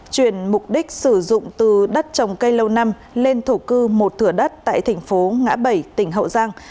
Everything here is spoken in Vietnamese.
chuyển mục đích sử dụng từ đất trồng cây lâu năm lên thổ cư một thửa đất tại thành phố ngã bảy tỉnh hậu giang